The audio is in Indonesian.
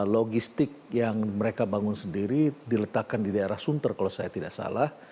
logistik yang mereka bangun sendiri diletakkan di daerah sunter kalau saya tidak salah